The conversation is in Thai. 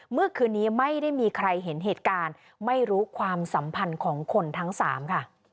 เมื่อคืนนี้ไม่ได้มีใครเห็นเหตุการณ์ไม่รู้ความสัมพันธ์ของคนทั้งสามค่ะ